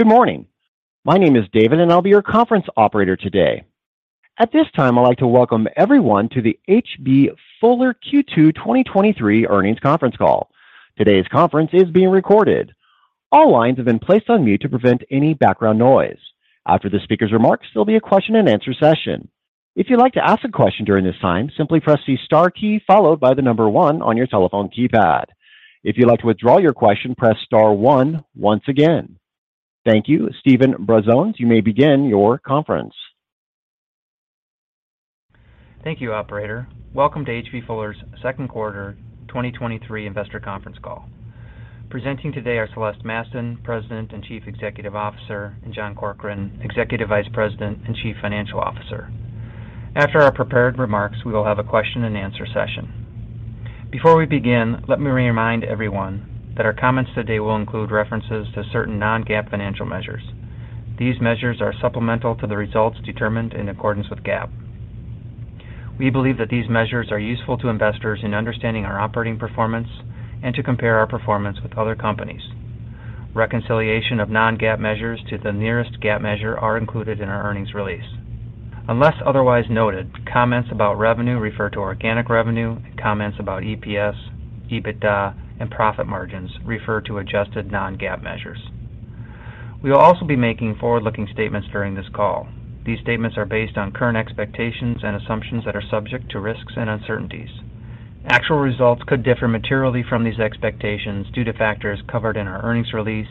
Good morning. My name is David. I'll be your conference operator today. At this time, I'd like to welcome everyone to the H.B. Fuller Q2 2023 earnings conference call. Today's conference is being recorded. All lines have been placed on mute to prevent any background noise. After the speaker's remarks, there'll be a question-and-answer session. If you'd like to ask a question during this time, simply press the star key, followed by the number one on your telephone keypad. If you'd like to withdraw your question, press star one once again. Thank you. Steven Brazones, you may begin your conference. Thank you, operator. Welcome to H.B. Fuller's second quarter 2023 investor conference call. Presenting today are Celeste Mastin, President and Chief Executive Officer, and John Corkrean, Executive Vice President and Chief Financial Officer. After our prepared remarks, we will have a question-and-answer session. Before we begin, let me remind everyone that our comments today will include references to certain non-GAAP financial measures. These measures are supplemental to the results determined in accordance with GAAP. We believe that these measures are useful to investors in understanding our operating performance and to compare our performance with other companies. Reconciliation of non-GAAP measures to the nearest GAAP measure are included in our earnings release. Unless otherwise noted, comments about revenue refer to organic revenue, and comments about EPS, EBITDA, and profit margins refer to Adjusted non-GAAP measures. We will also be making forward-looking statements during this call. These statements are based on current expectations and assumptions that are subject to risks and uncertainties. Actual results could differ materially from these expectations due to factors covered in our earnings release,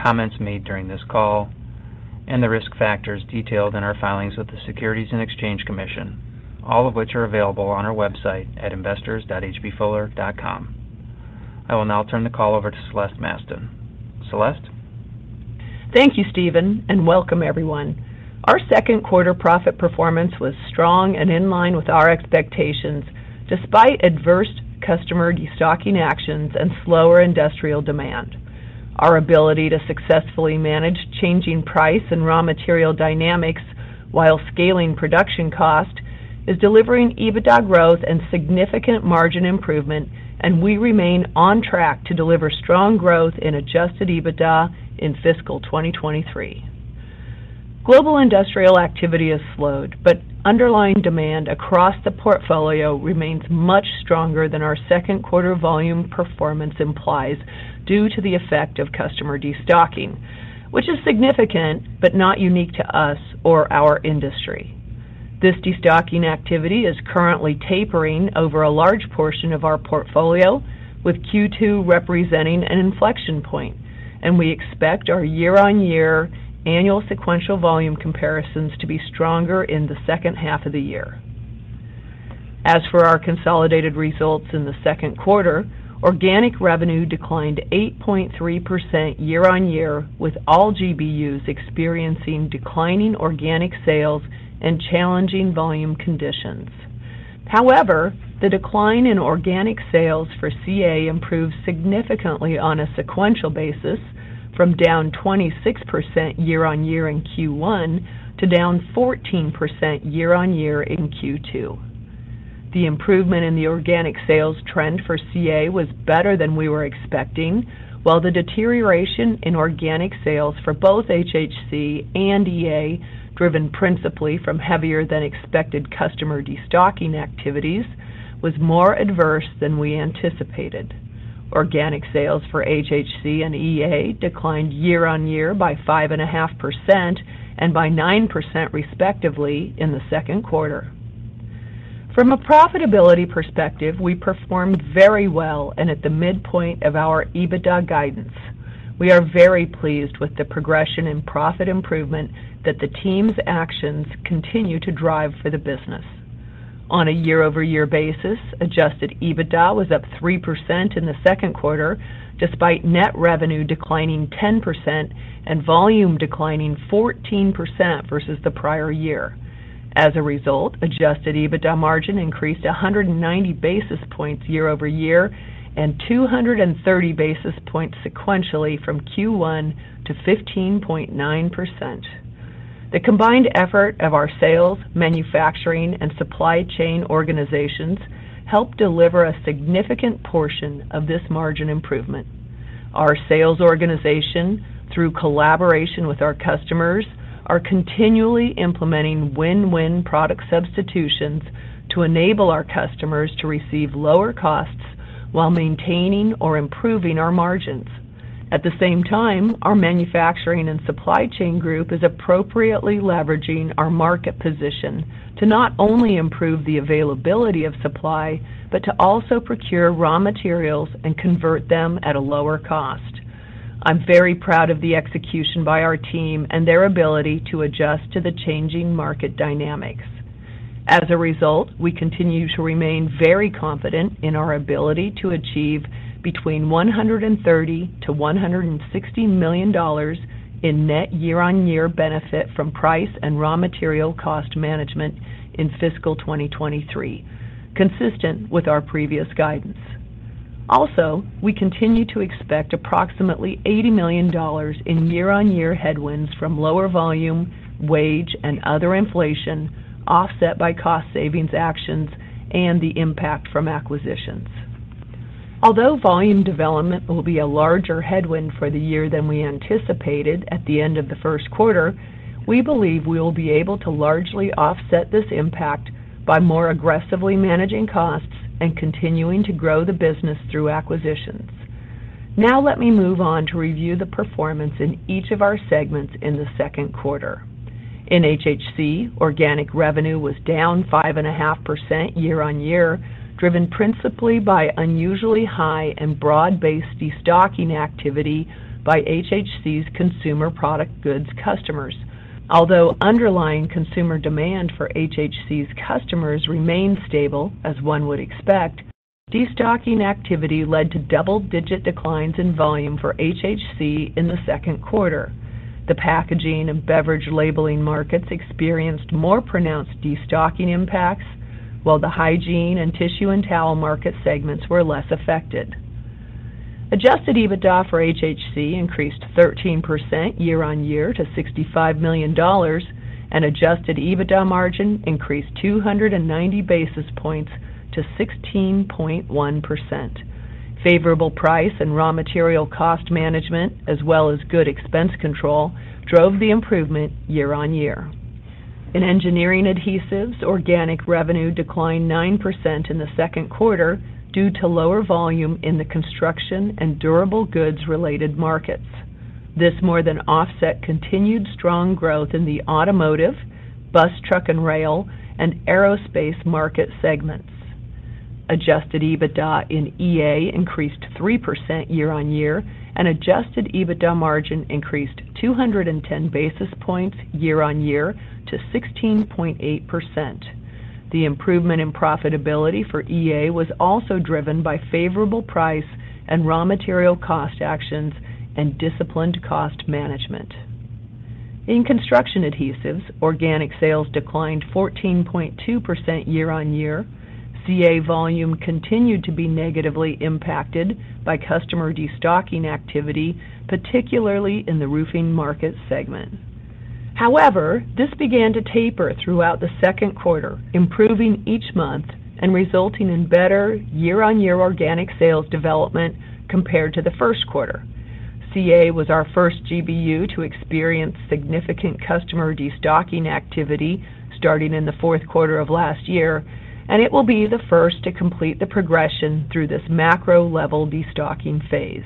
comments made during this call, and the risk factors detailed in our filings with the Securities and Exchange Commission, all of which are available on our website at investors.hbfuller.com. I will now turn the call over to Celeste Mastin. Celeste? Thank you, Steven, and welcome everyone. Our second quarter profit performance was strong and in line with our expectations, despite adverse customer destocking actions and slower industrial demand. Our ability to successfully manage changing price and raw material dynamics while scaling production cost is delivering EBITDA growth and significant margin improvement, and we remain on track to deliver strong growth in Adjusted EBITDA in fiscal 2023. Global industrial activity has slowed, but underlying demand across the portfolio remains much stronger than our second quarter volume performance implies due to the effect of customer destocking, which is significant but not unique to us or our industry. This destocking activity is currently tapering over a large portion of our portfolio, with Q2 representing an inflection point, and we expect our year-on-year annual sequential volume comparisons to be stronger in the second half of the year. For our consolidated results in the second quarter, organic revenue declined 8.3% year-on-year, with all GBUs experiencing declining organic sales and challenging volume conditions. The decline in organic sales for CA improved significantly on a sequential basis from down 26% year-on-year in Q1 to down 14% year-on-year in Q2. The improvement in the organic sales trend for CA was better than we were expecting, while the deterioration in organic sales for both HHC and EA, driven principally from heavier than expected customer destocking activities, was more adverse than we anticipated. Organic sales for HHC and EA declined year-on-year by 5.5% and by 9%, respectively, in the second quarter. From a profitability perspective, we performed very well and at the midpoint of our EBITDA guidance. We are very pleased with the progression in profit improvement that the team's actions continue to drive for the business. On a year-over-year basis, Adjusted EBITDA was up 3% in the second quarter, despite net revenue declining 10% and volume declining 14% versus the prior year. As a result, Adjusted EBITDA margin increased 190 basis points year-over-year and 230 basis points sequentially from Q1 to 15.9%. The combined effort of our sales, manufacturing, and supply chain organizations helped deliver a significant portion of this margin improvement. Our sales organization, through collaboration with our customers, are continually implementing win-win product substitutions to enable our customers to receive lower costs while maintaining or improving our margins. At the same time, our manufacturing and supply chain group is appropriately leveraging our market position to not only improve the availability of supply, but to also procure raw materials and convert them at a lower cost. I'm very proud of the execution by our team and their ability to adjust to the changing market dynamics. As a result, we continue to remain very confident in our ability to achieve between $130 million-$160 million in net year-on-year benefit from price and raw material cost management in fiscal 2023, consistent with our previous guidance. Also, we continue to expect approximately $80 million in year-on-year headwinds from lower volume, wage, and other inflation, offset by cost savings actions and the impact from acquisitions. Although volume development will be a larger headwind for the year than we anticipated at the end of the first quarter, we believe we will be able to largely offset this impact by more aggressively managing costs and continuing to grow the business through acquisitions. Let me move on to review the performance in each of our segments in the second quarter. In HHC, organic revenue was down 5.5% year-on-year, driven principally by unusually high and broad-based destocking activity by HHC's consumer product goods customers. Although underlying consumer demand for HHC's customers remained stable, as one would expect, destocking activity led to double-digit declines in volume for HHC in the second quarter. The packaging and beverage labeling markets experienced more pronounced destocking impacts, while the hygiene and tissue and towel market segments were less affected. Adjusted EBITDA for HHC increased 13% year-on-year to $65 million, and Adjusted EBITDA margin increased 290 basis points to 16.1%. Favorable price and raw material cost management, as well as good expense control, drove the improvement year-on-year. In engineering adhesives, organic revenue declined 9% in the second quarter due to lower volume in the construction and durable goods-related markets. This more than offset continued strong growth in the automotive, bus, truck, and rail, and aerospace market segments. Adjusted EBITDA in EA increased 3% year-on-year, and Adjusted EBITDA margin increased 210 basis points year-on-year to 16.8%. The improvement in profitability for EA was also driven by favorable price and raw material cost actions and disciplined cost management. In construction adhesives, organic sales declined 14.2% year-on-year. CA volume continued to be negatively impacted by customer destocking activity, particularly in the roofing market segment. This began to taper throughout the second quarter, improving each month and resulting in better year-on-year organic sales development compared to the first quarter. CA was our first GBU to experience significant customer destocking activity starting in the fourth quarter of last year, and it will be the first to complete the progression through this macro-level destocking phase.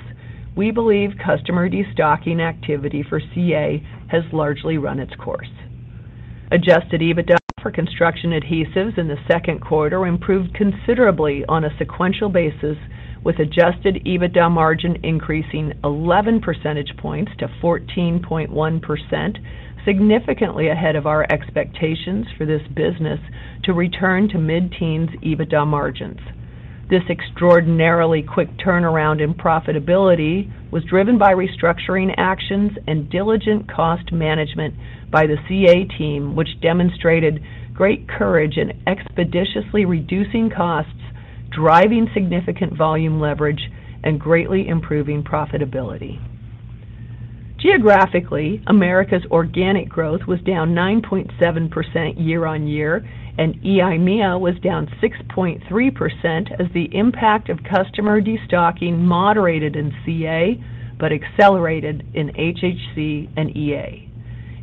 We believe customer destocking activity for CA has largely run its course. Adjusted EBITDA for construction adhesives in the second quarter improved considerably on a sequential basis, with Adjusted EBITDA margin increasing 11 percentage points to 14.1%, significantly ahead of our expectations for this business to return to mid-teens EBITDA margins. This extraordinarily quick turnaround in profitability was driven by restructuring actions and diligent cost management by the CA team, which demonstrated great courage in expeditiously reducing costs, driving significant volume leverage, and greatly improving profitability. Geographically, America's organic growth was down 9.7% year-on-year, and EIMEA was down 6.3% as the impact of customer destocking moderated in CA, but accelerated in HHC and EA.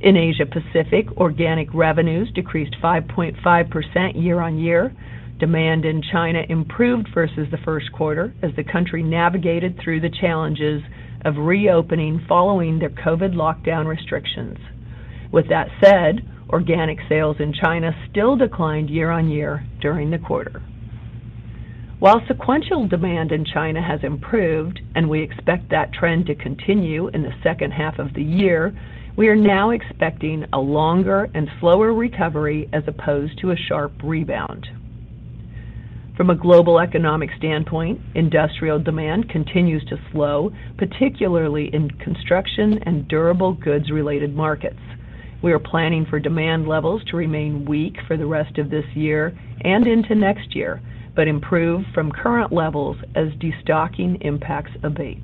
In Asia Pacific, organic revenues decreased 5.5% year-on-year. Demand in China improved versus the first quarter as the country navigated through the challenges of reopening following their COVID lockdown restrictions. With that said, organic sales in China still declined year-on-year during the quarter. While sequential demand in China has improved, and we expect that trend to continue in the second half of the year, we are now expecting a longer and slower recovery as opposed to a sharp rebound. From a global economic standpoint, industrial demand continues to slow, particularly in construction and durable goods-related markets. We are planning for demand levels to remain weak for the rest of this year and into next year, but improve from current levels as destocking impacts abate.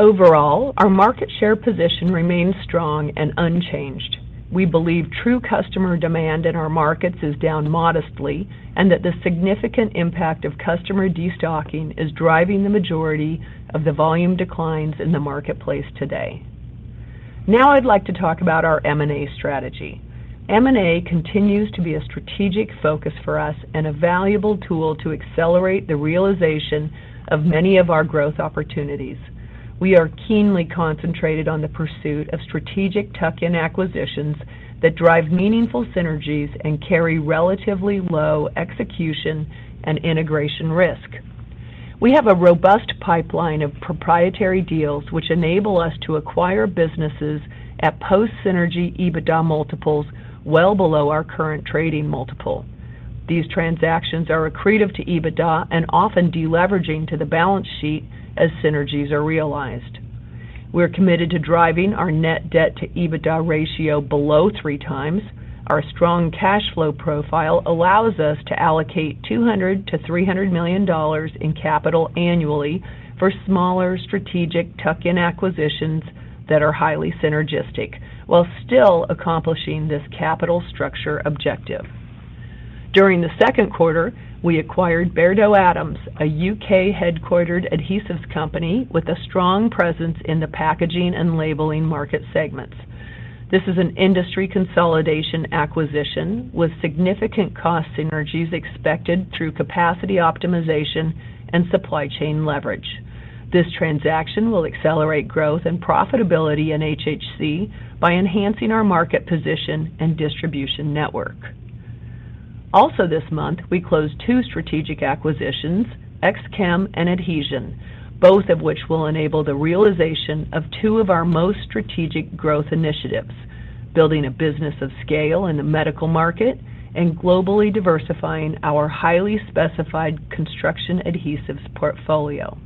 Overall, our market share position remains strong and unchanged. We believe true customer demand in our markets is down modestly and that the significant impact of customer destocking is driving the majority of the volume declines in the marketplace today. Now I'd like to talk about our M&A strategy. M&A continues to be a strategic focus for us and a valuable tool to accelerate the realization of many of our growth opportunities. We are keenly concentrated on the pursuit of strategic tuck-in acquisitions that drive meaningful synergies and carry relatively low execution and integration risk. We have a robust pipeline of proprietary deals, which enable us to acquire businesses at post-synergy EBITDA multiples well below our current trading multiple. These transactions are accretive to EBITDA and often deleveraging to the balance sheet as synergies are realized. We are committed to driving our net debt to EBITDA ratio below 3 times. Our strong cash flow profile allows us to allocate $200 million-$300 million in capital annually for smaller strategic tuck-in acquisitions that are highly synergistic, while still accomplishing this capital structure objective. During the second quarter, we acquired Beardow Adams, a UK-headquartered adhesives company with a strong presence in the packaging and labeling market segments. This is an industry consolidation acquisition, with significant cost synergies expected through capacity optimization and supply chain leverage. This transaction will accelerate growth and profitability in HHC by enhancing our market position and distribution network. Also this month, we closed two strategic acquisitions, XCHEM and Adhezion, both of which will enable the realization of two of our most strategic growth initiatives, building a business of scale in the medical market and globally diversifying our highly specified construction adhesives portfolio.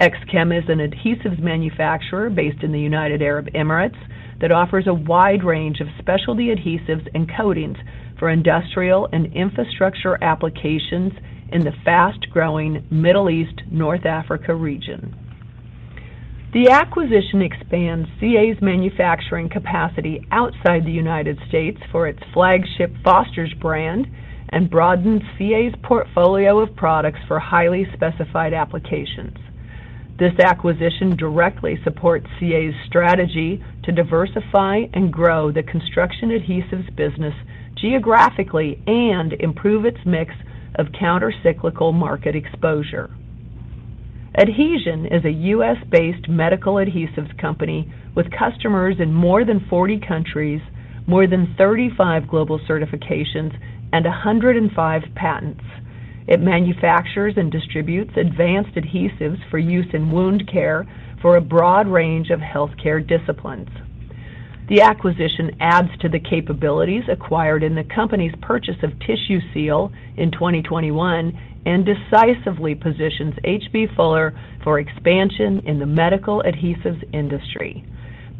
XCHEM is an adhesives manufacturer based in the United Arab Emirates that offers a wide range of specialty adhesives and coatings for industrial and infrastructure applications in the fast-growing Middle East, North Africa region. The acquisition expands H.B. Fuller's manufacturing capacity outside the United States for its flagship Foster brand and broadens H.B. Fuller's portfolio of products for highly specified applications. This acquisition directly supports H.B. Fuller's strategy to diversify and grow the construction adhesives business geographically and improve its mix of countercyclical market exposure. Adhezion is a US-based medical adhesives company with customers in more than 40 countries, more than 35 global certifications, and 105 patents. It manufactures and distributes advanced adhesives for use in wound care for a broad range of healthcare disciplines. The acquisition adds to the capabilities acquired in the company's purchase of TissueSeal in 2021 and decisively positions H.B. Fuller for expansion in the medical adhesives industry.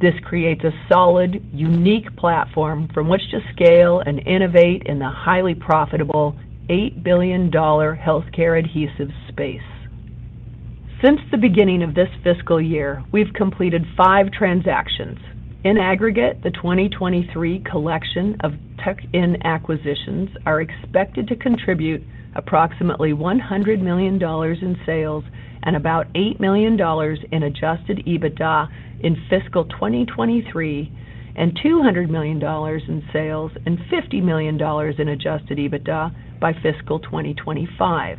This creates a solid, unique platform from which to scale and innovate in the highly profitable $8 billion healthcare adhesives space. Since the beginning of this fiscal year, we've completed 5 transactions. In aggregate, the 2023 collection of tech in acquisitions are expected to contribute approximately $100 million in sales and about $8 million in Adjusted EBITDA in fiscal 2023, and $200 million in sales and $50 million in Adjusted EBITDA by fiscal 2025.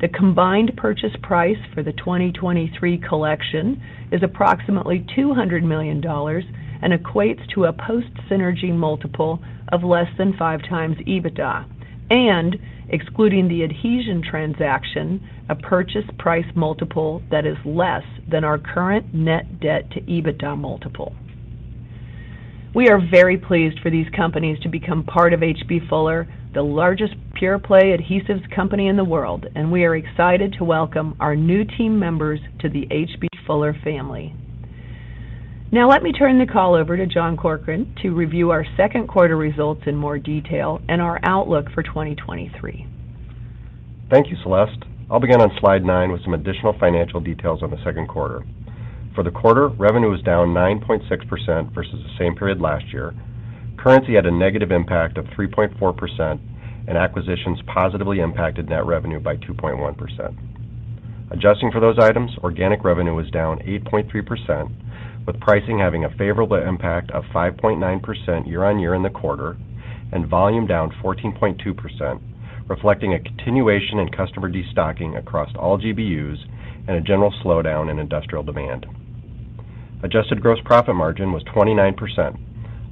The combined purchase price for the 2023 collection is approximately $200 million and equates to a post-synergy multiple of less than 5x EBITDA, and excluding the Adhezion transaction, a purchase price multiple that is less than our current net debt to EBITDA multiple. We are very pleased for these companies to become part of H.B. Fuller, the largest pure-play adhesives company in the world, and we are excited to welcome our new team members to the H.B. Fuller family. Now, let me turn the call over to John Corkrean to review our second quarter results in more detail and our outlook for 2023. Thank you, Celeste. I'll begin on Slide 9 with some additional financial details on the second quarter. For the quarter, revenue was down 9.6% versus the same period last year. Currency had a negative impact of 3.4%, and acquisitions positively impacted net revenue by 2.1%. Adjusting for those items, organic revenue was down 8.3%, with pricing having a favorable impact of 5.9% year-on-year in the quarter and volume down 14.2%, reflecting a continuation in customer destocking across all GBUs and a general slowdown in industrial demand. Adjusted gross profit margin was 29%,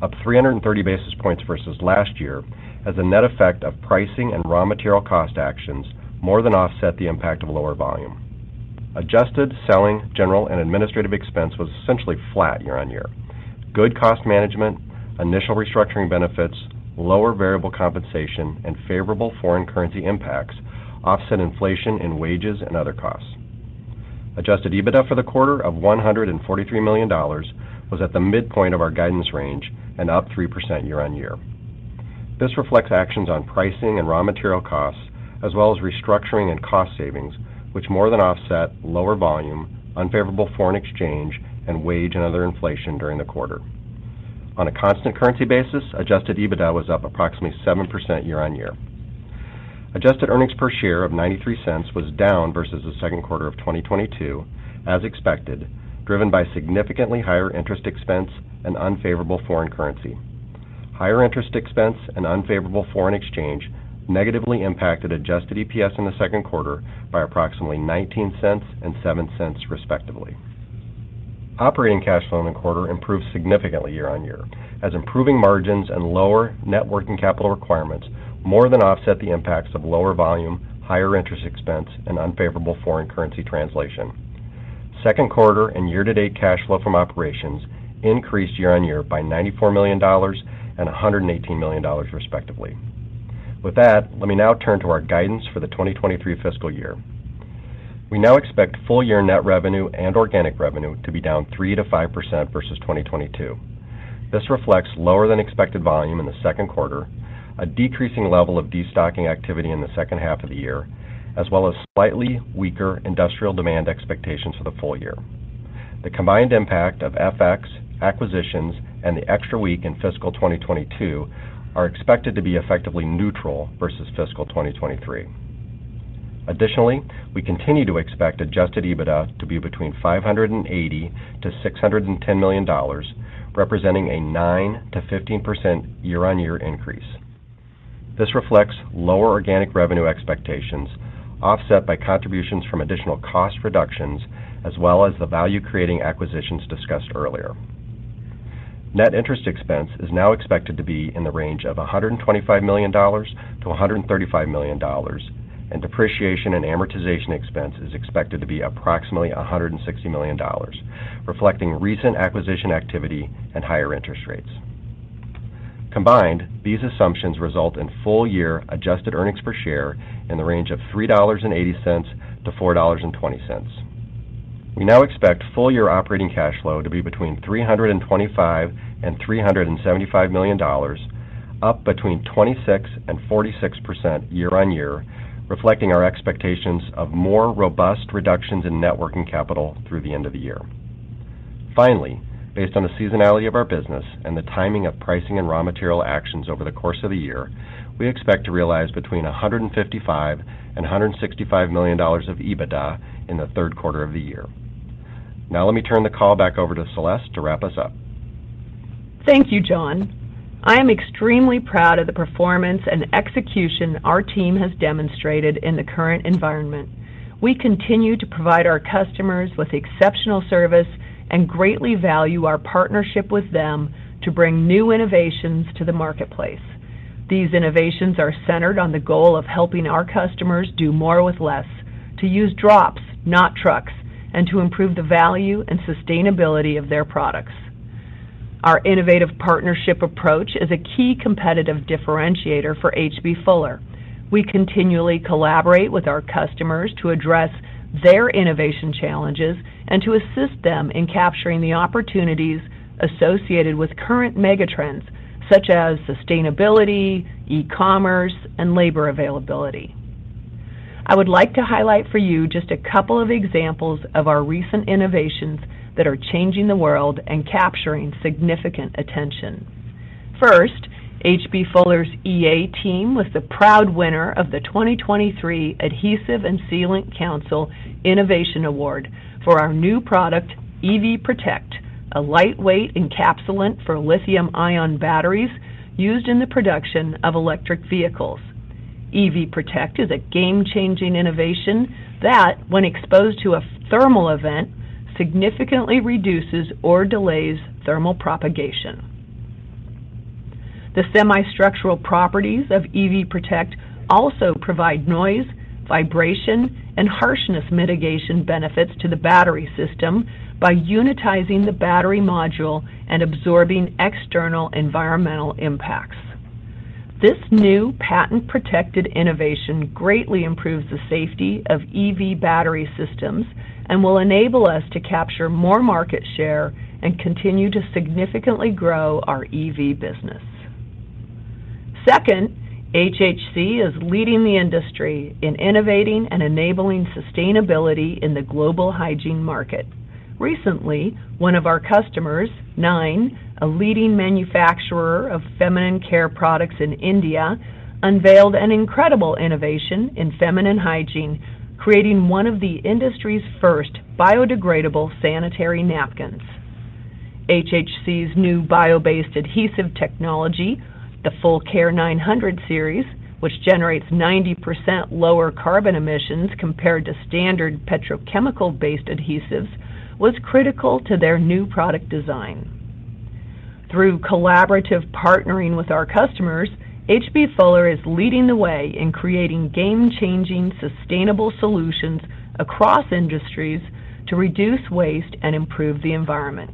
up 330 basis points versus last year, as a net effect of pricing and raw material cost actions more than offset the impact of lower volume. Adjusted selling, general, and administrative expense was essentially flat year-on-year. Good cost management, initial restructuring benefits, lower variable compensation, and favorable foreign currency impacts offset inflation in wages and other costs. Adjusted EBITDA for the quarter of $143 million was at the midpoint of our guidance range and up 3% year-on-year. This reflects actions on pricing and raw material costs, as well as restructuring and cost savings, which more than offset lower volume, unfavorable foreign exchange, and wage and other inflation during the quarter. On a constant currency basis, Adjusted EBITDA was up approximately 7% year-on-year. Adjusted earnings per share of $0.93 was down versus the second quarter of 2022, as expected, driven by significantly higher interest expense and unfavorable foreign currency. Higher interest expense and unfavorable foreign exchange negatively impacted Adjusted EPS in the second quarter by approximately $0.19 and $0.07, respectively. Operating cash flow in the quarter improved significantly year-on-year, as improving margins and lower net working capital requirements more than offset the impacts of lower volume, higher interest expense, and unfavorable foreign currency translation. Second quarter and year-to-date cash flow from operations increased year-on-year by $94 million and $118 million, respectively. With that, let me now turn to our guidance for the 2023 fiscal year. We now expect full year net revenue and organic revenue to be down 3%-5% versus 2022. This reflects lower than expected volume in the second quarter, a decreasing level of destocking activity in the second half of the year, as well as slightly weaker industrial demand expectations for the full year. The combined impact of FX, acquisitions, and the extra week in fiscal 2022 are expected to be effectively neutral versus fiscal 2023. Additionally, we continue to expect Adjusted EBITDA to be between $580 million-$610 million, representing a 9%-15% year-on-year increase. This reflects lower organic revenue expectations, offset by contributions from additional cost reductions, as well as the value-creating acquisitions discussed earlier. Net interest expense is now expected to be in the range of $125 million-$135 million, and depreciation and amortization expense is expected to be approximately $160 million, reflecting recent acquisition activity and higher interest rates. Combined, these assumptions result in full-year adjusted earnings per share in the range of $3.80-$4.20. We now expect full-year operating cash flow to be between $325 million and $375 million, up between 26% and 46% year-on-year, reflecting our expectations of more robust reductions in net working capital through the end of the year. Based on the seasonality of our business and the timing of pricing and raw material actions over the course of the year, we expect to realize between $155 million and $165 million of EBITDA in the third quarter of the year. Let me turn the call back over to Celeste to wrap us up. Thank you, John. I am extremely proud of the performance and execution our team has demonstrated in the current environment. We continue to provide our customers with exceptional service and greatly value our partnership with them to bring new innovations to the marketplace. These innovations are centered on the goal of helping our customers do more with less, to use drops, not trucks, and to improve the value and sustainability of their products. Our innovative partnership approach is a key competitive differentiator for H.B. Fuller. We continually collaborate with our customers to address their innovation challenges and to assist them in capturing the opportunities associated with current megatrends such as sustainability, e-commerce, and labor availability. I would like to highlight for you just a couple of examples of our recent innovations that are changing the world and capturing significant attention. First, H.B. Fuller's EA team was the proud winner of the 2023 Adhesive and Sealant Council Innovation Award for our new product, EV Protect, a lightweight encapsulant for lithium-ion batteries used in the production of electric vehicles. EV Protect is a game-changing innovation that, when exposed to a thermal event, significantly reduces or delays thermal propagation. The semi-structural properties of EV Protect also provide noise, vibration, and harshness mitigation benefits to the battery system by unitizing the battery module and absorbing external environmental impacts. This new patent-protected innovation greatly improves the safety of EV battery systems and will enable us to capture more market share and continue to significantly grow our EV business. Second, HHC is leading the industry in innovating and enabling sustainability in the global hygiene market. Recently, one of our customers, Niine, a leading manufacturer of feminine care products in India, unveiled an incredible innovation in feminine hygiene, creating one of the industry's first biodegradable sanitary napkins. HHC's new bio-based adhesive technology, the Full-Care 900 series, which generates 90% lower carbon emissions compared to standard petrochemical-based adhesives, was critical to their new product design. Through collaborative partnering with our customers, H.B. Fuller is leading the way in creating game-changing, sustainable solutions across industries to reduce waste and improve the environment.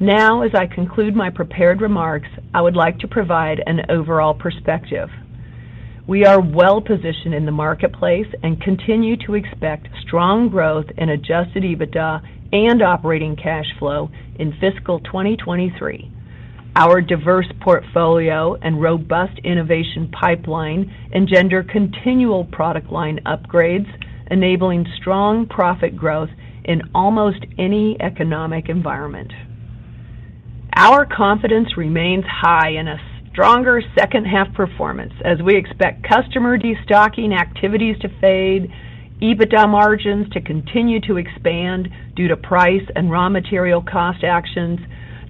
As I conclude my prepared remarks, I would like to provide an overall perspective. We are well positioned in the marketplace and continue to expect strong growth in Adjusted EBITDA and operating cash flow in fiscal 2023. Our diverse portfolio and robust innovation pipeline engender continual product line upgrades, enabling strong profit growth in almost any economic environment. Our confidence remains high in a stronger second-half performance as we expect customer destocking activities to fade, EBITDA margins to continue to expand due to price and raw material cost actions,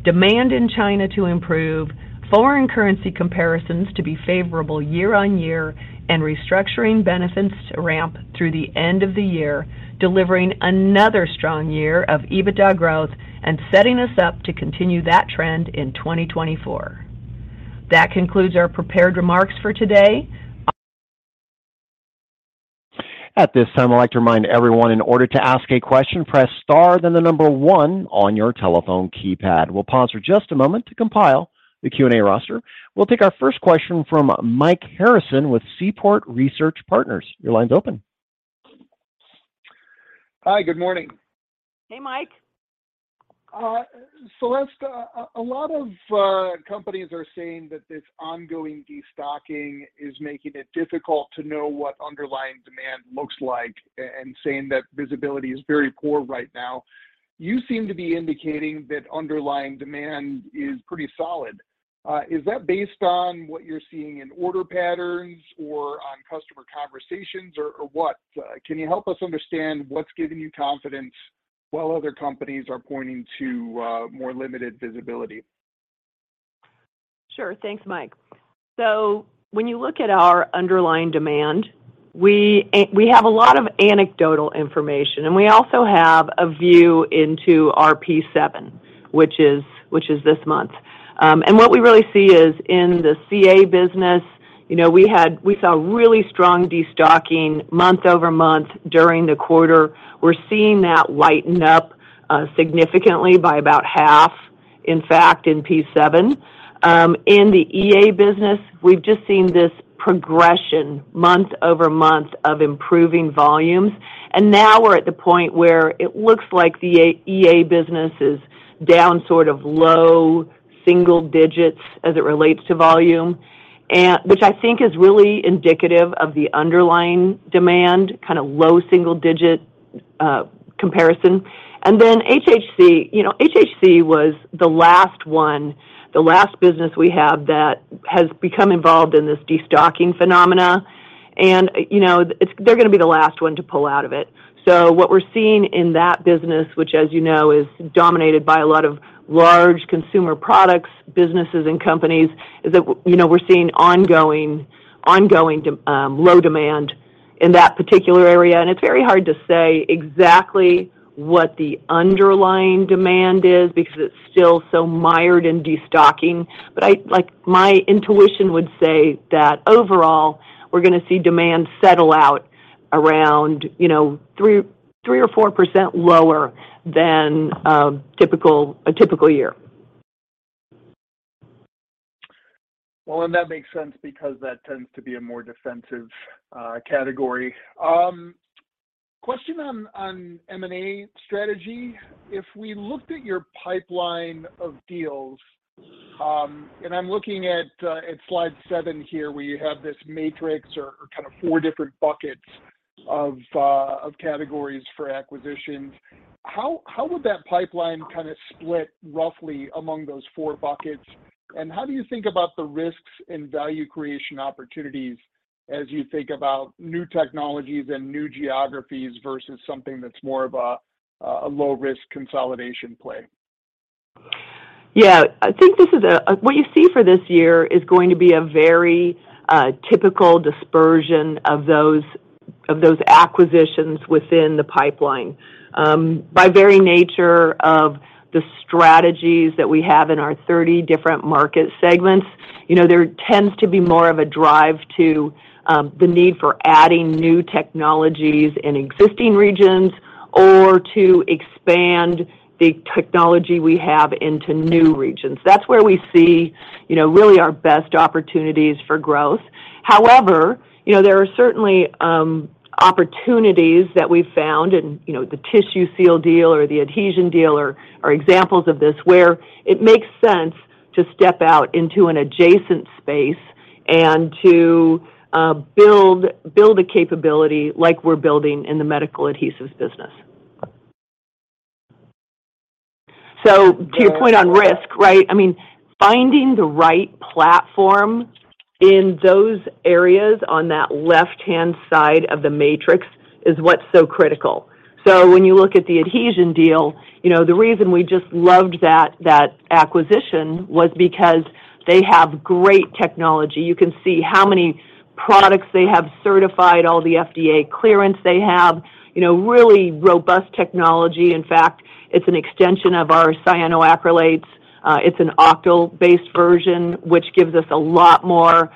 demand in China to improve, foreign currency comparisons to be favorable year-on-year, and restructuring benefits to ramp through the end of the year, delivering another strong year of EBITDA growth and setting us up to continue that trend in 2024. That concludes our prepared remarks for today. At this time, I'd like to remind everyone, in order to ask a question, press star, then the number one on your telephone keypad. We'll pause for just a moment to compile the Q&A roster. We'll take our first question from Mike Harrison with Seaport Research Partners. Your line's open. Hi, Good morning. Hey, Mike. Celeste, a lot of companies are saying that this ongoing destocking is making it difficult to know what underlying demand looks like, and saying that visibility is very poor right now. You seem to be indicating that underlying demand is pretty solid. Is that based on what you're seeing in order patterns or on customer conversations or what? Can you help us understand what's giving you confidence while other companies are pointing to more limited visibility? Sure. Thanks, Mike. When you look at our underlying demand, we have a lot of anecdotal information, and we also have a view into our P7, which is this month. What we really see is in the CA business, you know, we saw really strong destocking month-over-month during the quarter. We're seeing that lighten up significantly by about half, in fact, in P7. In the EA business, we've just seen this progression, month-over-month, of improving volumes. Now we're at the point where it looks like the EA business is down sort of low single digits as it relates to volume, which I think is really indicative of the underlying demand, kind of low single-digit comparison. HHC, you know, HHC was the last one, the last business we have that has become involved in this destocking phenomena. You know, they're gonna be the last one to pull out of it. What we're seeing in that business, which, as you know, is dominated by a lot of large consumer products, businesses, and companies, is that, you know, we're seeing ongoing low demand in that particular area. It's very hard to say exactly what the underlying demand is because it's still so mired in destocking. Like, my intuition would say that overall, we're gonna see demand settle out around, you know, 3% or 4% lower than typical, a typical year. Well, that makes sense because that tends to be a more defensive category. Question on M&A strategy. If we looked at your pipeline of deals, I'm looking at Slide 7 here, where you have this matrix or kind of 4 different buckets of categories for acquisitions, how would that pipeline kind of split roughly among those 4 buckets? How do you think about the risks and value creation opportunities as you think about new technologies and new geographies versus something that's more of a low-risk consolidation play? Yeah. I think this is what you see for this year is going to be a very typical dispersion of those acquisitions within the pipeline. By very nature of the strategies that we have in our 30 different market segments, you know, there tends to be more of a drive to the need for adding new technologies in existing regions or to expand the technology we have into new regions. That's where we see, you know, really our best opportunities for growth. However, you know, there are certainly opportunities that we've found in, you know, the TissueSeal deal or the Adhezion deal or are examples of this, where it makes sense to step out into an adjacent space and to build a capability like we're building in the medical adhesives business. To your point on risk, right? I mean, finding the right platform in those areas on that left-hand side of the matrix is what's so critical. When you look at the Adhezion deal, you know, the reason we just loved that acquisition was because they have great technology. You can see how many products they have certified, all the FDA clearance they have, you know, really robust technology. In fact, it's an extension of our cyanoacrylates. It's an octyl-based version, which gives us a lot more,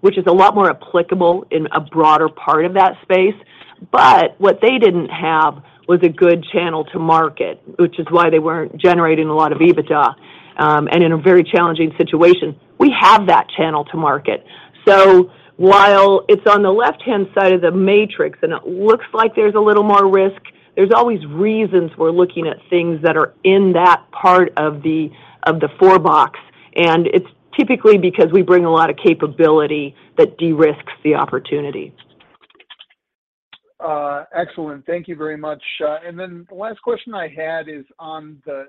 which is a lot more applicable in a broader part of that space. What they didn't have was a good channel to market, which is why they weren't generating a lot of EBITDA, and in a very challenging situation. We have that channel to market. While it's on the left-hand side of the matrix and it looks like there's a little more risk, there's always reasons we're looking at things that are in that part of the, of the four box, and it's typically because we bring a lot of capability that de-risks the opportunity. Excellent. Thank you very much. The last question I had is on the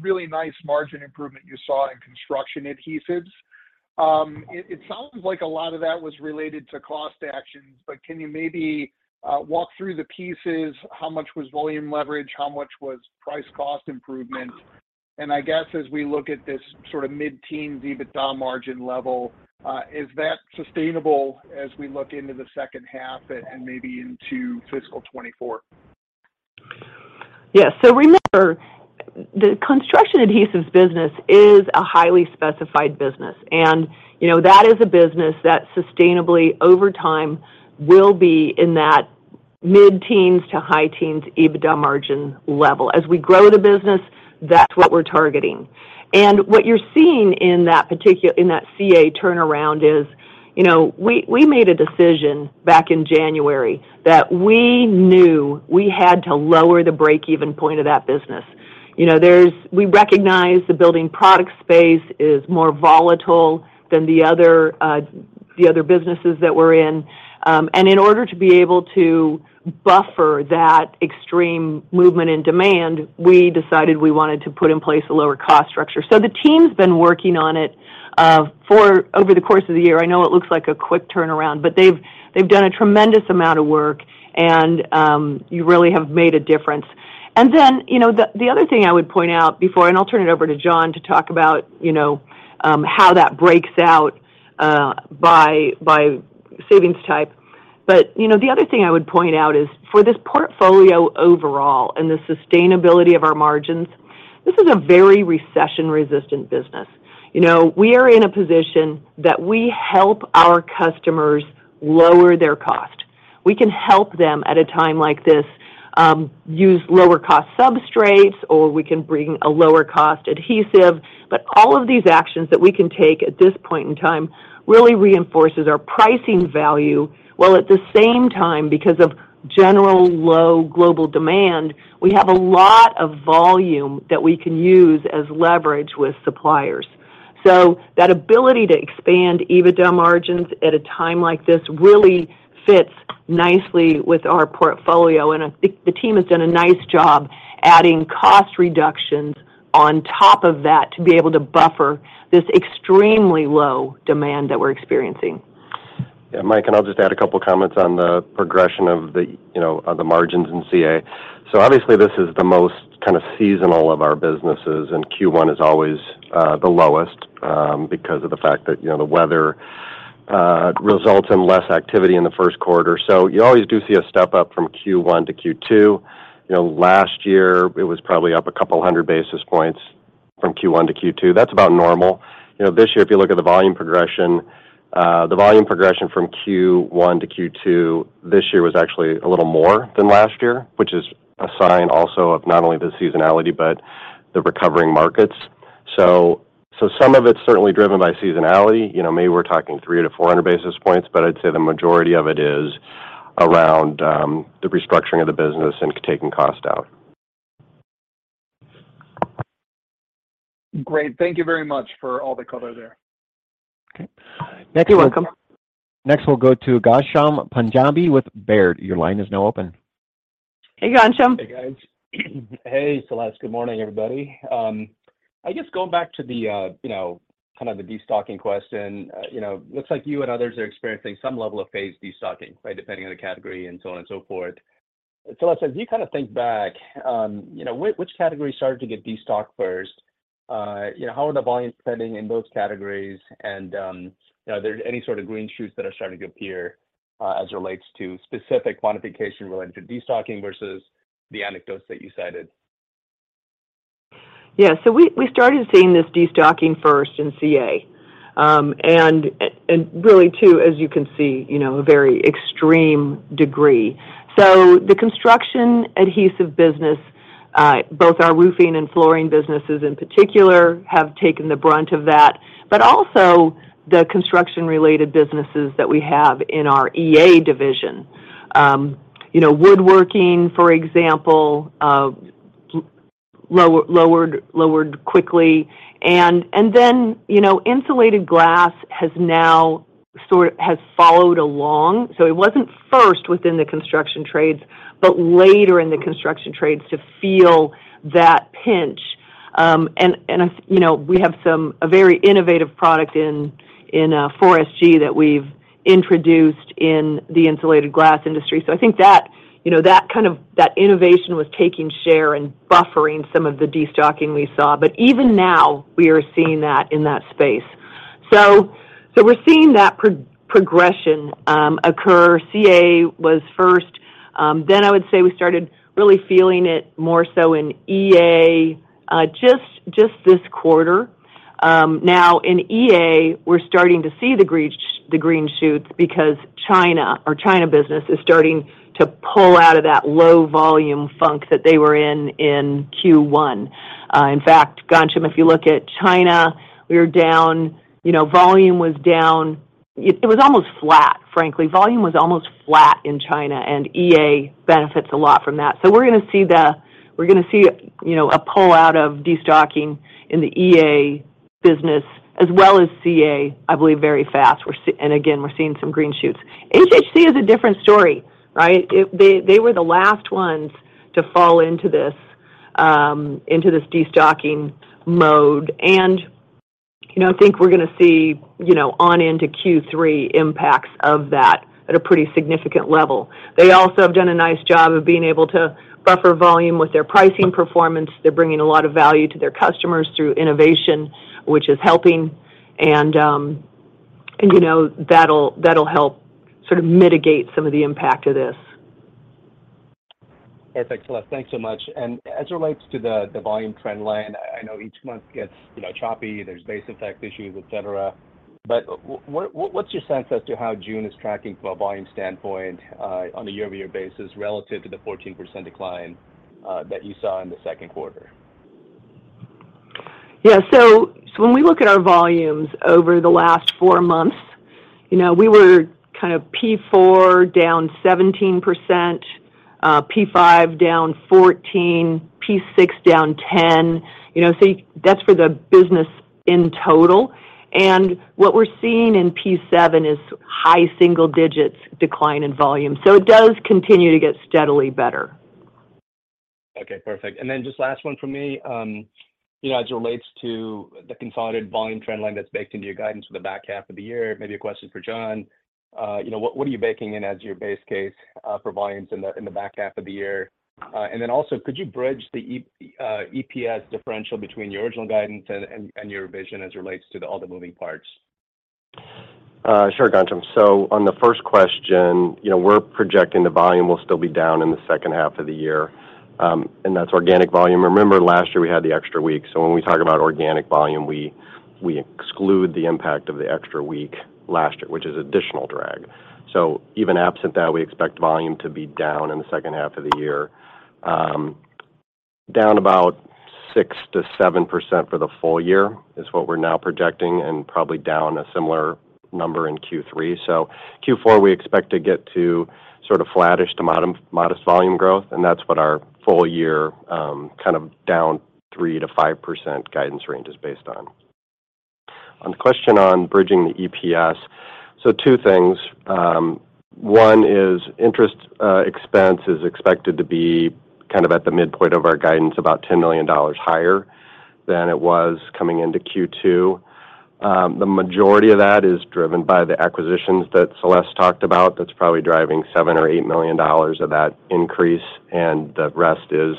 really nice margin improvement you saw in construction adhesives. It sounds like a lot of that was related to cost actions, but can you maybe walk through the pieces? How much was volume leverage? How much was price cost improvement? I guess as we look at this sort of mid-teen EBITDA margin level, is that sustainable as we look into the second half and maybe into fiscal 2024? Yes. remember, the construction adhesives business is a highly specified business, and, you know, that is a business that sustainably, over time, will be in that mid-teens to high teens EBITDA margin level. As we grow the business, that's what we're targeting. What you're seeing in that particular CA turnaround is, you know, we made a decision back in January that we knew we had to lower the break-even point of that business. You know, we recognize the building product space is more volatile than the other businesses that we're in. in order to be able to buffer that extreme movement in demand, we decided we wanted to put in place a lower cost structure. The team's been working on it for over the course of the year. I know it looks like a quick turnaround, but they've done a tremendous amount of work, and you really have made a difference. You know, the other thing I would point out before, and I'll turn it over to John to talk about, you know, how that breaks out by savings type. You know, the other thing I would point out is for this portfolio overall and the sustainability of our margins, this is a very recession-resistant business. You know, we are in a position that we help our customers lower their cost. We can help them at a time like this, use lower cost substrates, or we can bring a lower cost adhesive. All of these actions that we can take at this point in time really reinforces our pricing value, while at the same time, because of general low global demand, we have a lot of volume that we can use as leverage with suppliers. That ability to expand EBITDA margins at a time like this really fits nicely with our portfolio, and I think the team has done a nice job adding cost reductions on top of that to be able to buffer this extremely low demand that we're experiencing. Yeah, Mike, and I'll just add a couple comments on the progression of the, you know, of the margins in CA. Obviously, this is the most kind of seasonal of our businesses, and Q1 is always the lowest because of the fact that, you know, the weather results in less activity in the first quarter. You always do see a step up from Q1 to Q2. You know, last year it was probably up 200 basis points from Q1 to Q2. That's about normal. You know, this year, if you look at the volume progression, the volume progression from Q1 to Q2 this year was actually a little more than last year, which is a sign also of not only the seasonality, but the recovering markets. Some of it's certainly driven by seasonality. You know, maybe we're talking 300-400 basis points, I'd say the majority of it is around the restructuring of the business and taking cost out. Great. Thank you very much for all the color there. Okay. You're welcome. Next, we'll go to Ghansham Panjabi with Baird. Your line is now open. Hey, Ghansham. Hey, guys. Hey, Celeste. Good morning, everybody. I guess going back to the, you know, kind of the destocking question, you know, looks like you and others are experiencing some level of phase destocking, right? Depending on the category and so on and so forth. Celeste, as you kind of think back, you know, which category started to get destocked first? You know, how are the volumes trending in those categories? You know, are there any sort of green shoots that are starting to appear as it relates to specific quantification related to destocking versus the anecdotes that you cited? We started seeing this destocking first in CA. Really, too, as you can see, you know, a very extreme degree. The construction adhesive business, both our roofing and flooring businesses in particular, have taken the brunt of that, but also the construction-related businesses that we have in our EA division. You know, woodworking, for example, lowered quickly. Insulated glass has now followed along. It wasn't first within the construction trades, but later in the construction trades to feel that pinch. You know, we have some, a very innovative product in 4SG that we've introduced in the insulated glass industry. I think that, you know, that kind of, that innovation was taking share and buffering some of the destocking we saw. Even now, we are seeing that in that space. We're seeing that progression occur. CA was first, I would say we started really feeling it more so in EA, just this quarter. Now, in EA, we're starting to see the green shoots because China or China business is starting to pull out of that low volume funk that they were in Q1. In fact, Gansham, if you look at China, we were down. You know, volume was down. It was almost flat, frankly. Volume was almost flat in China, EA benefits a lot from that. We're gonna see, you know, a pull out of destocking in the EA business as well as CA, I believe, very fast. Again, we're seeing some green shoots. HHC is a different story, right? They were the last ones to fall into this destocking mode. You know, I think we're gonna see, you know, on into Q3, impacts of that at a pretty significant level. They also have done a nice job of being able to buffer volume with their pricing performance. They're bringing a lot of value to their customers through innovation, which is helping. You know, that'll help sort of mitigate some of the impact of this. Yes, excellent. Thanks so much. As it relates to the volume trend line, I know each month gets, you know, choppy, there's base effect issues, et cetera. What's your sense as to how June is tracking from a volume standpoint on a year-over-year basis relative to the 14% decline that you saw in the second quarter? Yeah. When we look at our volumes over the last four months, you know, we were kind of P4 down 17%, P5 down 14, P6 down 10. You know, see, that's for the business in total. What we're seeing in P7 is high single digits decline in volume, so it does continue to get steadily better. Okay, perfect. Just last one for me. you know, as it relates to the consolidated volume trend line that's baked into your guidance for the back half of the year, maybe a question for John. you know, what are you baking in as your base case for volumes in the back half of the year? and then also, could you bridge the EPS differential between your original guidance and your vision as it relates to the all the moving parts? Sure, Gantum. On the first question, you know, we're projecting the volume will still be down in the second half of the year. That's organic volume. Remember, last year we had the extra week. When we talk about organic volume, we exclude the impact of the extra week last year, which is additional drag. Even absent that, we expect volume to be down in the second half of the year, down about 6%-7% for the full year, is what we're now projecting, and probably down a similar number in Q3. Q4, we expect to get to sort of flattish to modest volume growth, and that's what our full year, kind of down 3%-5% guidance range is based on. On the question on bridging the EPS, two things: One is interest expense is expected to be kind of at the midpoint of our guidance, about $10 million higher than it was coming into Q2. The majority of that is driven by the acquisitions that Celeste talked about. That's probably driving $7 million or $8 million of that increase, and the rest is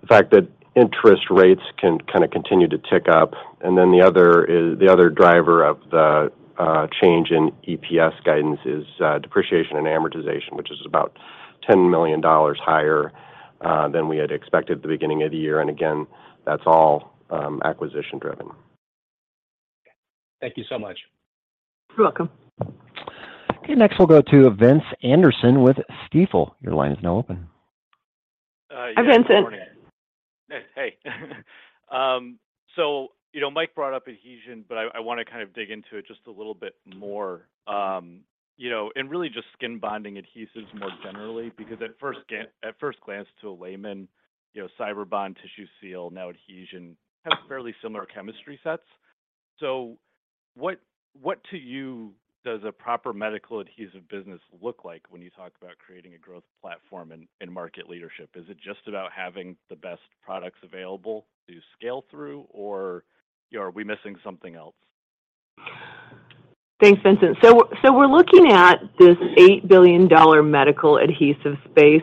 the fact that interest rates can kind of continue to tick up. The other driver of the change in EPS guidance is depreciation and amortization, which is about $10 million higher than we had expected at the beginning of the year. Again, that's all acquisition driven. Thank you so much. You're welcome. Okay, next we'll go to Vince Anderson with Stifel. Your line is now open. Hi, Vincent. Hey. you know, Mike brought up Adhezion, but I want to kind of dig into it just a little bit more, you know, and really just skin bonding adhesives more generally, because at first at first glance to a layman, you know, Cyberbond, TissueSeal, now Adhezion, have fairly similar chemistry sets. What to you, does a proper medical adhesive business look like when you talk about creating a growth platform and market leadership? Is it just about having the best products available to scale through, or, you know, are we missing something else? Thanks, Vincent. We're looking at this $8 billion medical adhesive space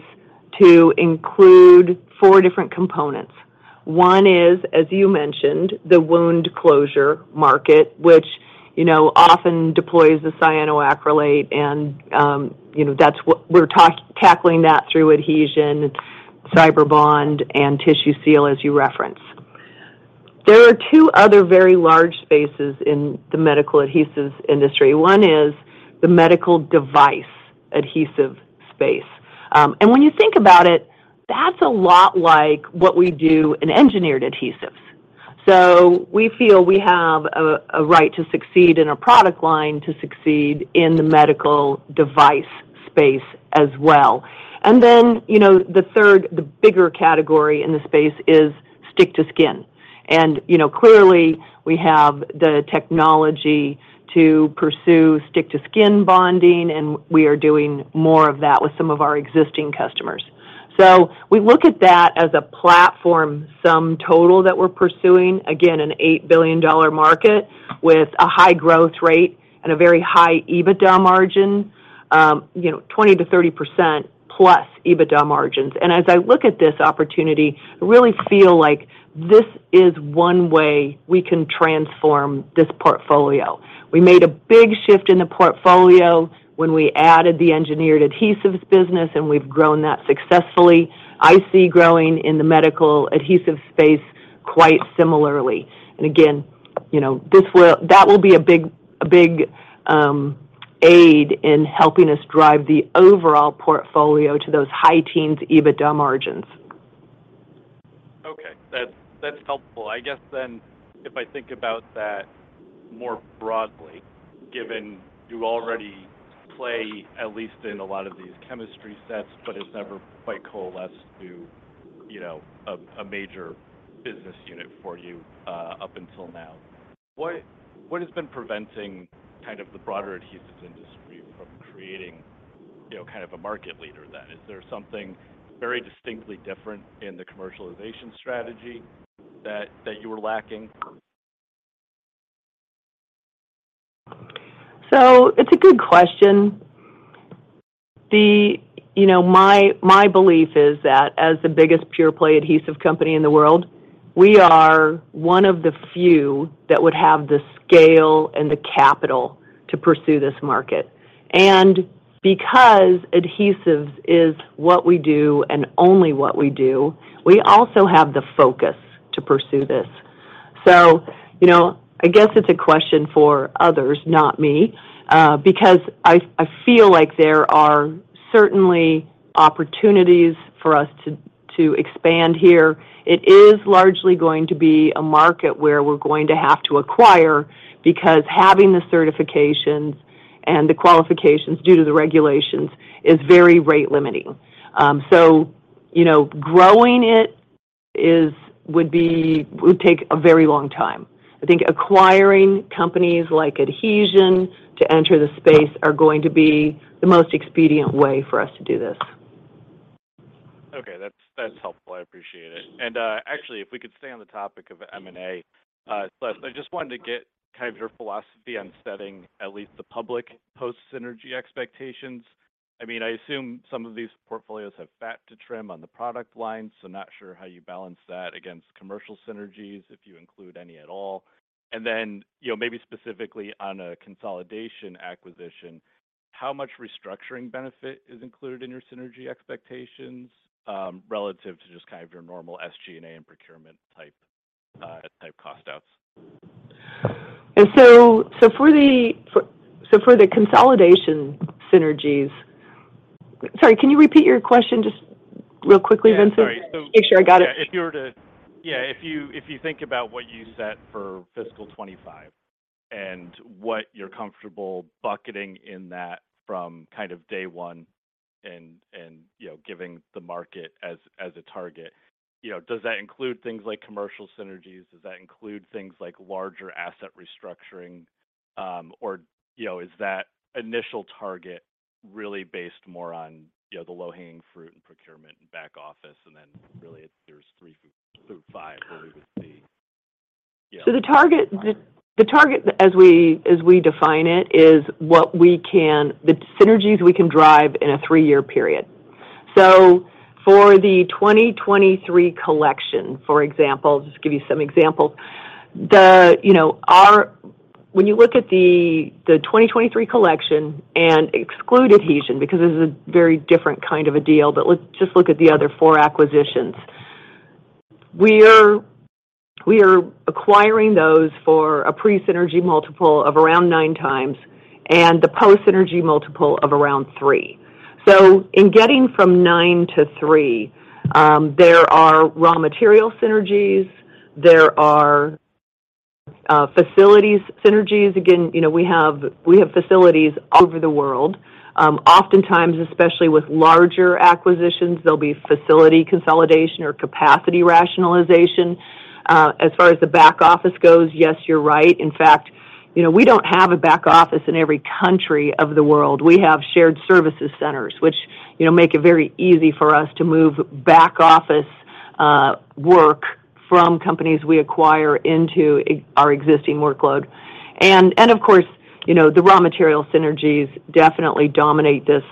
to include four different components. One is, as you mentioned, the wound closure market, which, you know, often deploys the cyanoacrylate, and, you know, we're tackling that through Adhezion, Cyberbond and TissueSeal, as you referenced. There are two other very large spaces in the medical adhesives industry. One is the medical device adhesive space. When you think about it, that's a lot like what we do in engineered adhesives. We feel we have a right to succeed in a product line, to succeed in the medical device space as well. Then, you know, the third, the bigger category in the space is stick to skin. You know, clearly, we have the technology to pursue stick to skin bonding, and we are doing more of that with some of our existing customers. We look at that as a platform, sum total that we're pursuing, again, an $8 billion market with a high growth rate and a very high EBITDA margin, you know, 20%-30% plus EBITDA margins. As I look at this opportunity, I really feel like this is one way we can transform this portfolio. We made a big shift in the portfolio when we added the engineered adhesives business, and we've grown that successfully. I see growing in the medical adhesive space quite similarly. Again, you know, that will be a big aid in helping us drive the overall portfolio to those high teens EBITDA margins. Okay. That's helpful. I guess, if I think about that more broadly, given you already play, at least in a lot of these chemistry sets, but it's never quite coalesced to, you know, a major business unit for you up until now. What has been preventing kind of the broader adhesives industry from creating, you know, kind of a market leader then? Is there something very distinctly different in the commercialization strategy that you were lacking? It's a good question. You know, my belief is that as the biggest pure play adhesive company in the world, we are one of the few that would have the scale and the capital to pursue this market. Because adhesives is what we do and only what we do, we also have the focus to pursue this. You know, I guess it's a question for others, not me, because I feel like there are certainly opportunities for us to expand here. It is largely going to be a market where we're going to have to acquire, because having the certifications and the qualifications due to the regulations is very rate-limiting. You know, growing it would take a very long time. I think acquiring companies like Adhezion to enter the space are going to be the most expedient way for us to do this. Okay, that's helpful. I appreciate it. Actually, if we could stay on the topic of M&A, Celeste, I just wanted to get kind of your philosophy on setting at least the public post-synergy expectations. I mean, I assume some of these portfolios have fat to trim on the product line, so not sure how you balance that against commercial synergies, if you include any at all. Then, you know, maybe specifically on a consolidation acquisition, how much restructuring benefit is included in your synergy expectations, relative to just kind of your normal SG&A and procurement type cost outs? So for the consolidation synergies. Sorry, can you repeat your question just real quickly, Vincent? Yeah, sorry. Make sure I got it. Yeah, if you think about what you set for fiscal 25 and what you're comfortable bucketing in that from kind of day one and, you know, giving the market as a target, you know, does that include things like commercial synergies? Does that include things like larger asset restructuring? Or, you know, is that initial target really based more on, you know, the low-hanging fruit and procurement and back office, and then really there's 3-5 where we would see? The target as we define it, is the synergies we can drive in a 3-year period. For the 2023 collection, for example, I'll just give you some examples. You know, when you look at the 2023 collection and exclude Adhezion, because this is a very different kind of a deal, but let's just look at the other four acquisitions. We are acquiring those for a pre-synergy multiple of around 9 times, and the post-synergy multiple of around 3. In getting from 9 to 3, there are raw material synergies, there are facilities synergies. Again, you know, we have facilities all over the world. Oftentimes, especially with larger acquisitions, there'll be facility consolidation or capacity rationalization. As far as the back office goes, yes, you're right. In fact, you know, we don't have a back office in every country of the world. We have shared services centers, which, you know, make it very easy for us to move back office work from companies we acquire into our existing workload. Of course, you know, the raw material synergies definitely dominate this.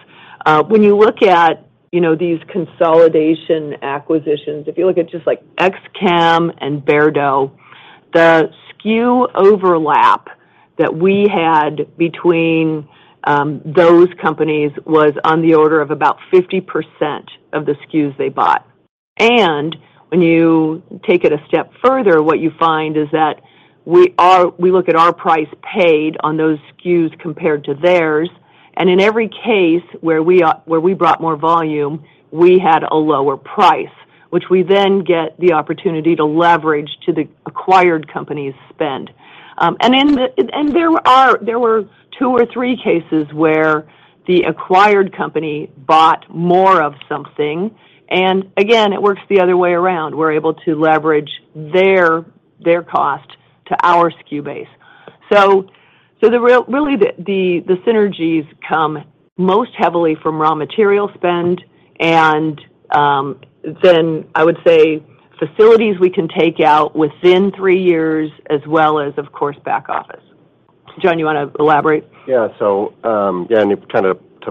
When you look at, you know, these consolidation acquisitions, if you look at just like XCHEM and Beardow, the SKU overlap that we had between those companies was on the order of about 50% of the SKUs they bought. When you take it a step further, what you find is that we look at our price paid on those SKUs compared to theirs, and in every case where we brought more volume, we had a lower price, which we then get the opportunity to leverage to the acquired company's spend. Then there were two or three cases where the acquired company bought more of something, and again, it works the other way around. We're able to leverage their cost to our SKU base. Really the synergies come most heavily from raw material spend, and then I would say facilities we can take out within three years, as well as, of course, back office. John, you want to elaborate?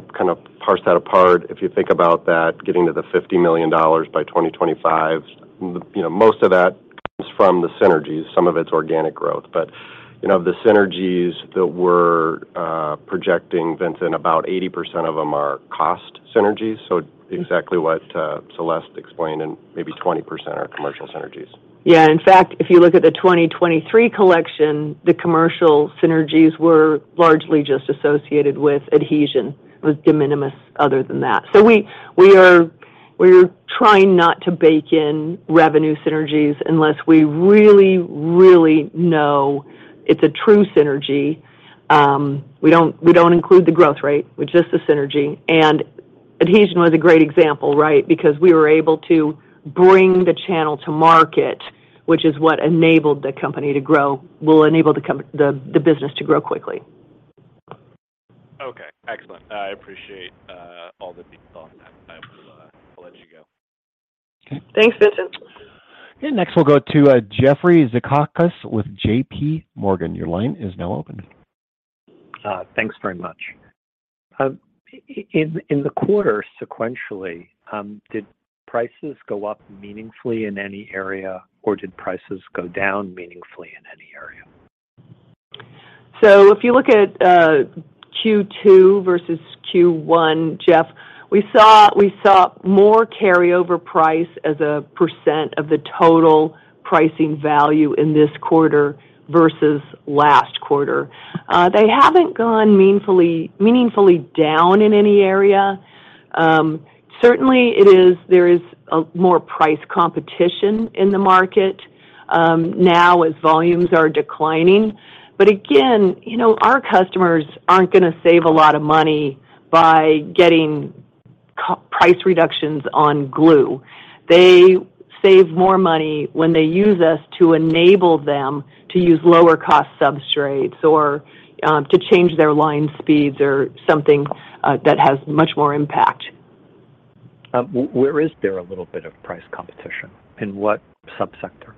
To kind of parse that apart, if you think about that, getting to the $50 million by 2025, you know, most of that comes from the synergies. Some of it's organic growth. You know, the synergies that we're projecting, Vince, about 80% of them are cost synergies. Exactly what Celeste explained, and maybe 20% are commercial synergies. In fact, if you look at the 2023 collection, the commercial synergies were largely just associated with Adhezion. It was de minimis other than that. We are, we're trying not to bake in revenue synergies unless we really, really know it's a true synergy. We don't include the growth rate with just the synergy. Adhezion was a great example, right? Because we were able to bring the channel to market, which is what enabled the company to grow, will enable the business to grow quickly. Okay, excellent. I appreciate all the details on that. I'll let you go. Thanks, Vincent. Next, we'll go to Jeffrey Zekauskas with JPMorgan. Your line is now open. Thanks very much. In the quarter, sequentially, did prices go up meaningfully in any area, or did prices go down meaningfully in any area? If you look at Q2 versus Q1, Jeff, we saw more carryover price as a percent of the total pricing value in this quarter versus last quarter. They haven't gone meaningfully down in any area. Certainly, there is a more price competition in the market now as volumes are declining. Again, you know, our customers aren't going to save a lot of money by getting price reductions on glue. They save more money when they use us to enable them to use lower cost substrates or to change their line speeds or something that has much more impact. Where is there a little bit of price competition? In what subsector?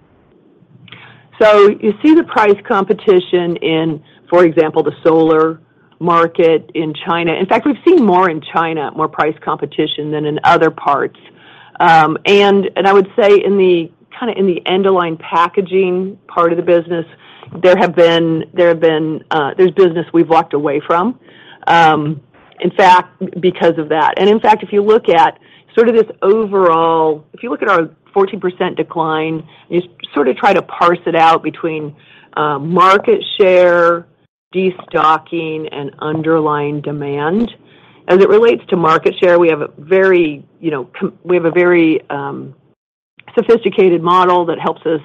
You see the price competition in, for example, the solar market in China. In fact, we've seen more in China, more price competition than in other parts. And I would say kind of in the end-line packaging part of the business, there's business we've walked away from, in fact, because of that. And in fact, if you look at sort of this overall. If you look at our 14% decline, you sort of try to parse it out between, market share, destocking, and underlying demand. As it relates to market share, we have a very, you know, sophisticated model that helps us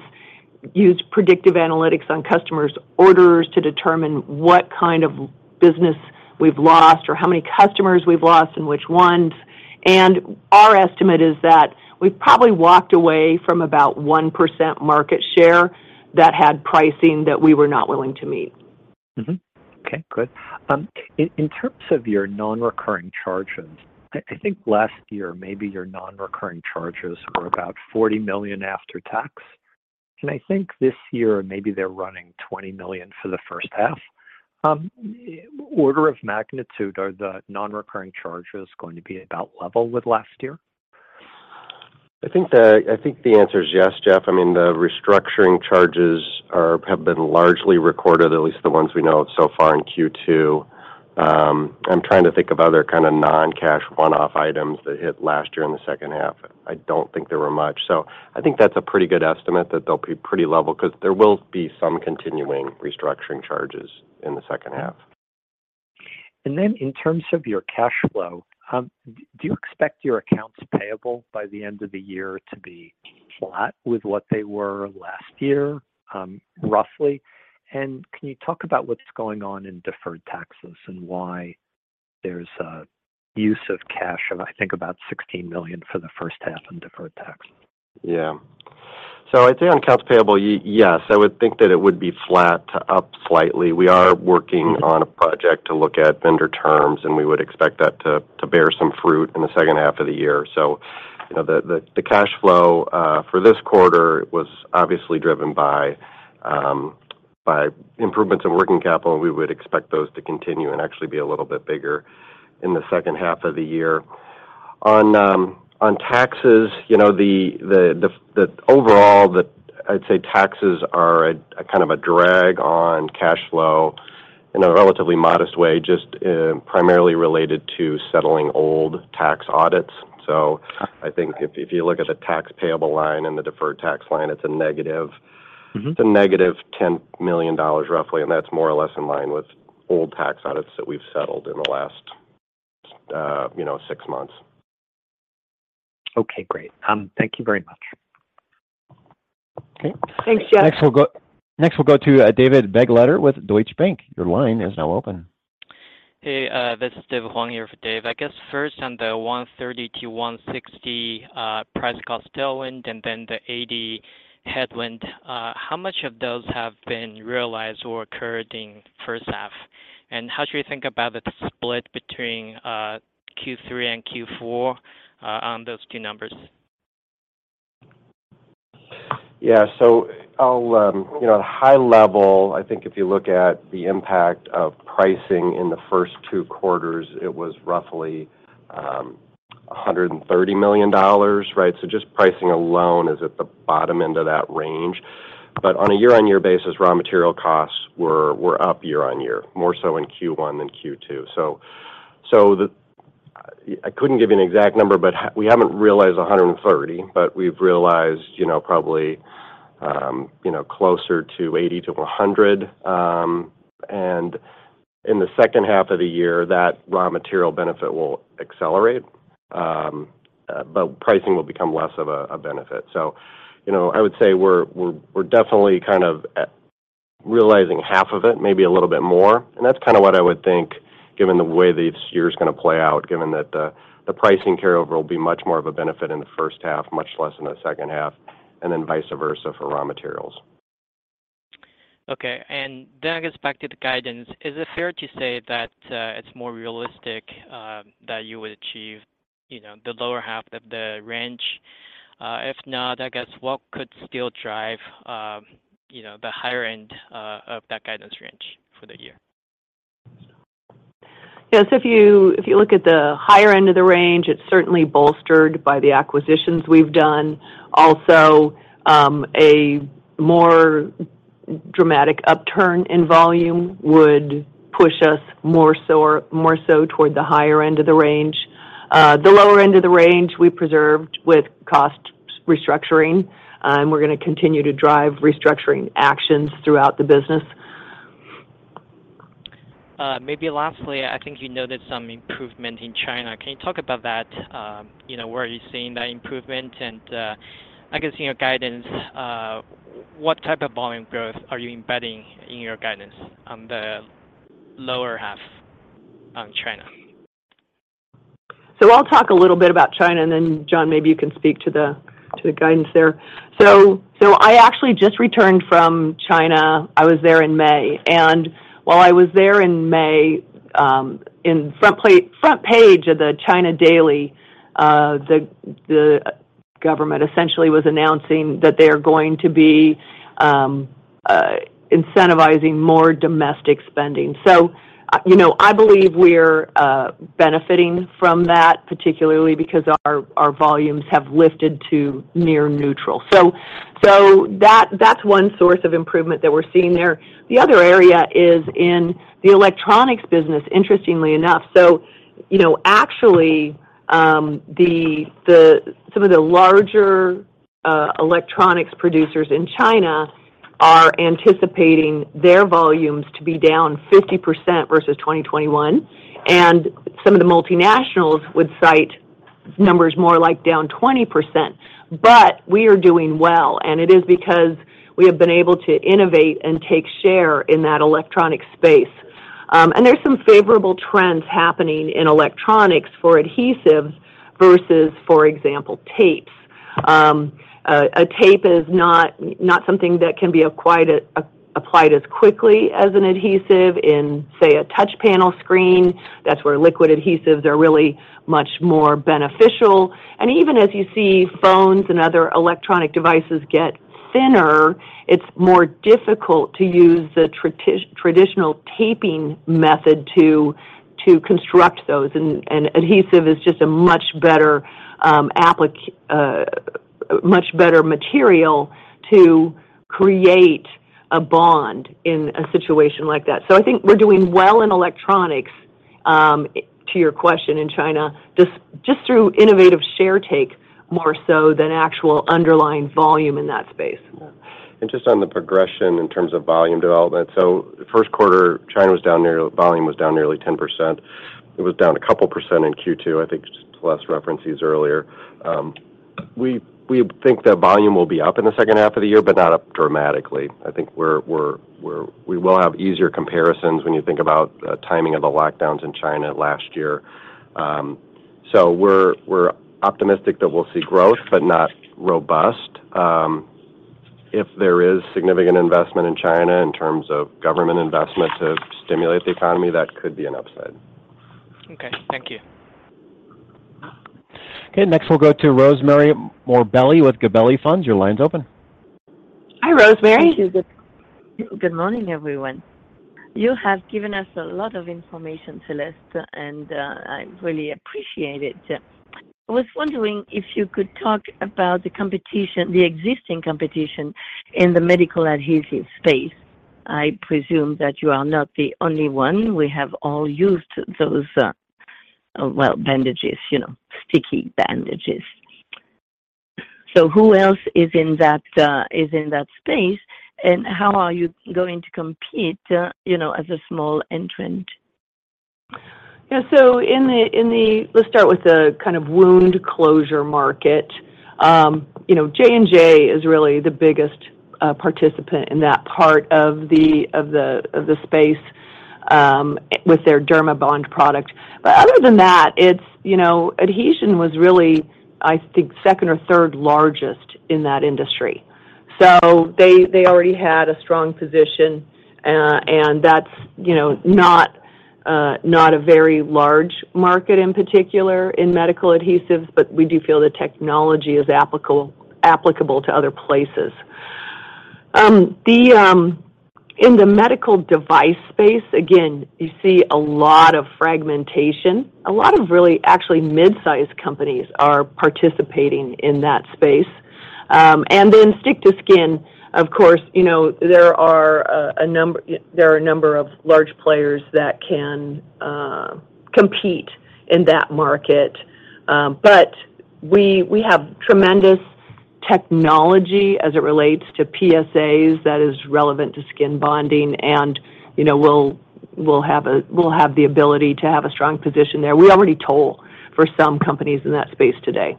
use predictive analytics on customers' orders to determine what kind of business we've lost or how many customers we've lost and which ones. Our estimate is that we've probably walked away from about 1% market share that had pricing that we were not willing to meet. Okay, good. In terms of your nonrecurring charges, I think last year, maybe your nonrecurring charges were about $40 million after tax. I think this year, maybe they're running $20 million for the first half. Order of magnitude, are the nonrecurring charges going to be about level with last year? I think the answer is yes, Jeff. I mean, the restructuring charges have been largely recorded, at least the ones we know of so far in Q2. I'm trying to think of other kind of non-cash one-off items that hit last year in the second half. I don't think there were much. I think that's a pretty good estimate, that they'll be pretty level, because there will be some continuing restructuring charges in the second half. In terms of your cash flow, do you expect your accounts payable by the end of the year to be flat with what they were last year, roughly? Can you talk about what's going on in deferred taxes and why there's a use of cash of, I think, about $16 million for the first half in deferred tax? I'd say on accounts payable, yes, I would think that it would be flat to up slightly. We are working on a project to look at vendor terms, and we would expect that to bear some fruit in the second half of the year. You know, the cash flow for this quarter was obviously driven by improvements in working capital, and we would expect those to continue and actually be a little bit bigger in the second half of the year. On taxes, you know, I'd say taxes are a kind of a drag on cash flow in a relatively modest way, just primarily related to settling old tax audits. I think if you look at the tax payable line and the deferred tax line, it's a negative- Mm-hmm. It's a negative $10 million, roughly, and that's more or less in line with old tax audits that we've settled in the last, you know, six months. Okay, great. Thank you very much. Okay. Thanks, Jeff. Next, we'll go to David Begleiter with Deutsche Bank. Your line is now open. Hey, this is David Huang in for Dave. I guess first on the $130-$160 price call tailwind, and then the $80 headwind, how much of those have been realized or occurred in first half? How do you think about the split between Q3 and Q4 on those two numbers? I'll, you know, high level, I think if you look at the impact of pricing in the first 2 quarters, it was roughly $130 million, right. Just pricing alone is at the bottom end of that range. On a year-on-year basis, raw material costs were up year-on-year, more so in Q1 than Q2. I couldn't give you an exact number, but we haven't realized $130, but we've realized, you know, probably, you know, closer to $80-$100. In the second half of the year, that raw material benefit will accelerate, pricing will become less of a benefit. You know, I would say we're definitely kind of realizing half of it, maybe a little bit more, and that's kind of what I would think, given the way this year is going to play out, given that the pricing carryover will be much more of a benefit in the first half, much less in the second half, and then vice versa for raw materials. Okay. I guess back to the guidance, is it fair to say that, it's more realistic, that you would achieve, you know, the lower half of the range? If not, I guess, what could still drive, you know, the higher end, of that guidance range for the year? Yes, if you look at the higher end of the range, it's certainly bolstered by the acquisitions we've done. Also, a more dramatic upturn in volume would push us more so toward the higher end of the range. The lower end of the range, we preserved with cost restructuring, and we're going to continue to drive restructuring actions throughout the business. maybe lastly, I think you noted some improvement in China. Can you talk about that? you know, where are you seeing that improvement? I guess, in your guidance, what type of volume growth are you embedding in your guidance on the lower half on China? I'll talk a little bit about China, and then, John, maybe you can speak to the guidance there. I actually just returned from China. I was there in May, and while I was there in May, in front page of the China Daily, the government essentially was announcing that they are going to be incentivizing more domestic spending. You know, I believe we're benefiting from that, particularly because our volumes have lifted to near neutral. That, that's one source of improvement that we're seeing there. The other area is in the electronics business, interestingly enough. You know, actually, some of the larger electronics producers in China are anticipating their volumes to be down 50% versus 2021, and some of the multinationals would cite numbers more like down 20%. We are doing well, and it is because we have been able to innovate and take share in that electronic space. There's some favorable trends happening in electronics for adhesives versus, for example, tapes. A tape is not something that can be applied as quickly as an adhesive in, say, a touch panel screen. That's where liquid adhesives are really much more beneficial. Even as you see phones and other electronic devices get thinner, it's more difficult to use the traditional taping method to construct those, and adhesive is just a much better. much better material to create a bond in a situation like that. I think we're doing well in electronics, to your question, in China, just through innovative share take, more so than actual underlying volume in that space. Just on the progression in terms of volume development. The first quarter, China volume was down nearly 10%. It was down a couple percent in Q2, I think, just to last reference used earlier. We think that volume will be up in the second half of the year, but not up dramatically. I think we will have easier comparisons when you think about the timing of the lockdowns in China last year. We're optimistic that we'll see growth, but not robust. If there is significant investment in China in terms of government investment to stimulate the economy, that could be an upside. Okay, thank you. Okay, next we'll go to Rosemarie Morbelli with Gabelli Funds. Your line's open. Hi, Rosemarie. Thank you. Good morning, everyone. You have given us a lot of information, Celeste, and I really appreciate it. I was wondering if you could talk about the competition, the existing competition in the medical adhesive space. I presume that you are not the only one. We have all used those, well, bandages, you know, sticky bandages. Who else is in that space, and how are you going to compete, you know, as a small entrant? Let's start with the kind of wound closure market. you know, J&J is really the biggest participant in that part of the space with their DERMABOND product. Other than that, it's, you know, Adhezion was really, I think, second or third largest in that industry. They already had a strong position, and that's, you know, not a very large market in particular in medical adhesives, but we do feel the technology is applicable to other places. In the medical device space, again, you see a lot of fragmentation. A lot of really actually mid-sized companies are participating in that space. stick to skin, of course, you know, there are a number of large players that can compete in that market. We, we have tremendous technology as it relates to PSAs that is relevant to skin bonding, and, you know, we'll have the ability to have a strong position there. We already toll for some companies in that space today.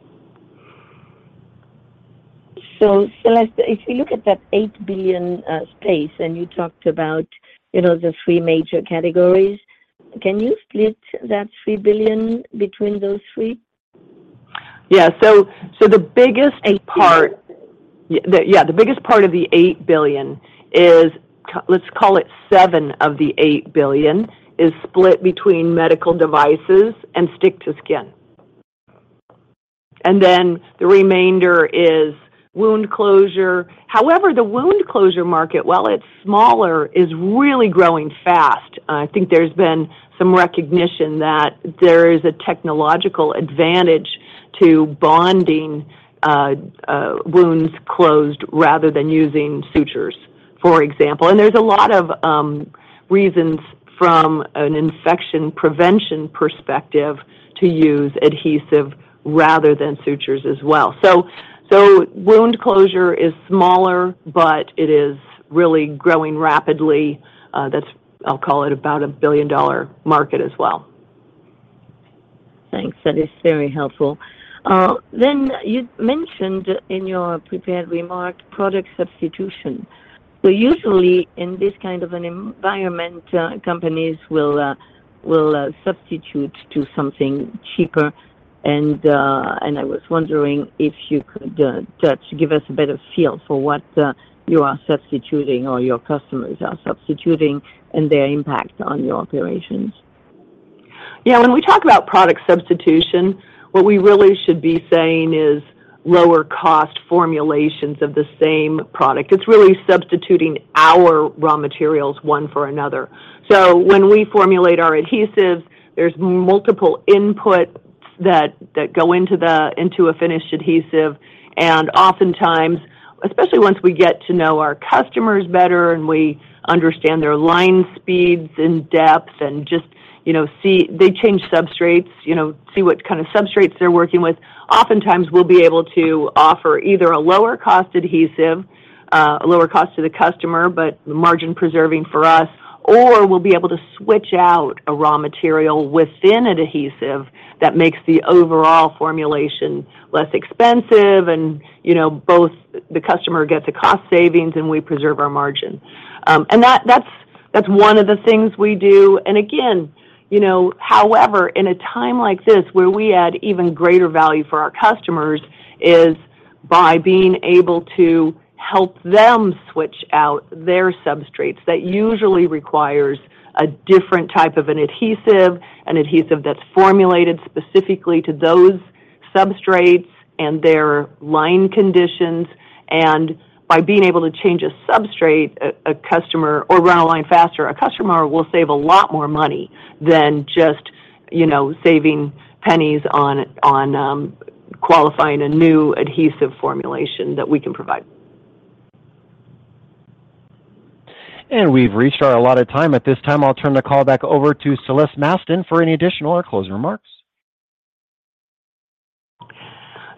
Celeste, if you look at that $8 billion space, and you talked about, you know, the three major categories, can you split that $3 billion between those three? Yeah. $8 billion. Yeah, the biggest part of the $8 billion is, let's call it $7 of the $8 billion, is split between medical devices and stick to skin. The remainder is wound closure. However, the wound closure market, while it's smaller, is really growing fast. I think there's been some recognition that there is a technological advantage to bonding wounds closed rather than using sutures, for example. There's a lot of reasons from an infection prevention perspective to use adhesive rather than sutures as well. Wound closure is smaller, but it is really growing rapidly, I'll call it about a billion-dollar market as well. Thanks. That is very helpful. You mentioned in your prepared remarks, product substitution, but usually in this kind of an environment, companies will substitute to something cheaper. I was wondering if you could just give us a better feel for what you are substituting or your customers are substituting and their impact on your operations. When we talk about product substitution, what we really should be saying is lower cost formulations of the same product. It's really substituting our raw materials, one for another. When we formulate our adhesives, there's multiple inputs that go into a finished adhesive. Oftentimes, especially once we get to know our customers better and we understand their line speeds and depths and just, you know, see. They change substrates, you know, see what kind of substrates they're working with. Oftentimes, we'll be able to offer either a lower cost adhesive, a lower cost to the customer, but margin preserving for us, or we'll be able to switch out a raw material within an adhesive that makes the overall formulation less expensive. You know, both the customer gets a cost savings, and we preserve our margin. That's one of the things we do. Again, you know, however, in a time like this, where we add even greater value for our customers is by being able to help them switch out their substrates. That usually requires a different type of an adhesive, an adhesive that's formulated specifically to those substrates and their line conditions. By being able to change a substrate, a customer or run a line faster, a customer will save a lot more money than just, you know, saving pennies on qualifying a new adhesive formulation that we can provide. We've reached our allotted time. At this time, I'll turn the call back over to Celeste Mastin for any additional or closing remarks.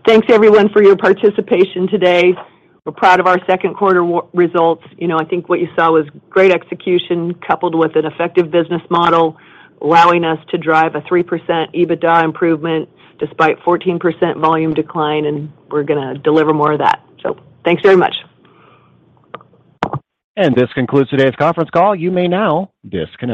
Thanks, everyone, for your participation today. We're proud of our second quarter results. You know, I think what you saw was great execution, coupled with an effective business model, allowing us to drive a 3% EBITDA improvement despite 14% volume decline. We're gonna deliver more of that. Thanks very much. This concludes today's conference call. You may now disconnect.